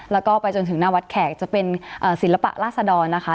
แล้วก็ไปจนถึงหน้าวัดแขกจะเป็นศิลปะราษดรนะคะ